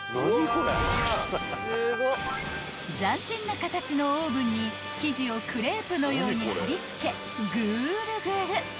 ［斬新な形のオーブンに生地をクレープのように張り付けぐーるぐる！］